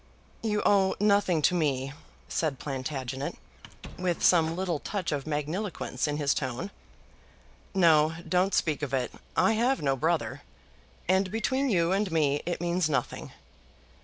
"You owe nothing to me," said Plantagenet, with some little touch of magniloquence in his tone. "No; don't speak of it. I have no brother, and between you and me it means nothing.